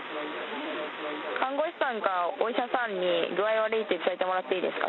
看護師さんかお医者さんに具合悪いって伝えてもらえますか。